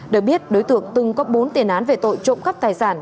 được biết đối tượng từng có bốn tiền án về tội trộm cắp tài sản